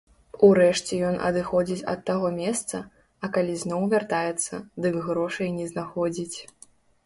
Урэшце ён адыходзіць ад таго месца, а калі зноў вяртаецца, дык грошай не знаходзіць.